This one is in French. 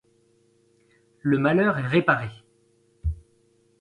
Le malheur est réparé !